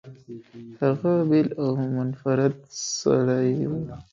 هغه بېل او منفرد سړی و.